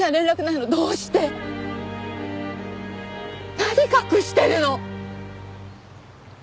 何隠してるの！？